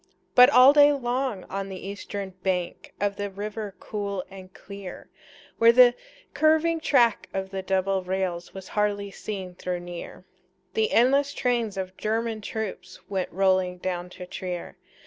But all day long on the eastern bank Of the river cool and clear, Where the curving track of the double rails Was hardly seen though near, The endless trains of German troops Went rolling down to Trier.